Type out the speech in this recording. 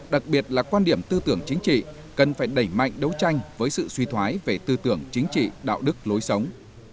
đặc biệt là quan điểm tư tưởng chính trị cần phải đẩy mạnh đấu tranh với sự suy thoái về tư tưởng chính trị đạo đức lối sống